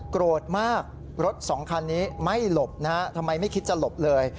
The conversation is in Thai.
โกรธมากรถสองคันนี้ไม่หลบนะฮะทำไมไม่คิดจะหลบเลย